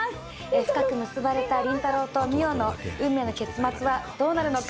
深く結ばれた倫太郎と海音の運命の結末はどうなるのか？